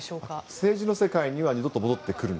政治の世界には二度と戻ってくるな。